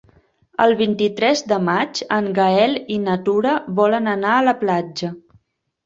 El vint-i-tres de maig en Gaël i na Tura volen anar a la platja.